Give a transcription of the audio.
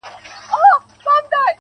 زړه مي در سوځي چي ته هر گړی بدحاله یې.